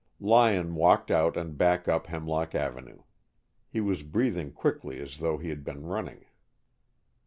Lyon walked out and back up Hemlock Avenue. He was breathing quickly as though he had been running.